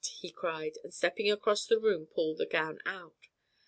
he cried, and stepping across the room pulled the gown out.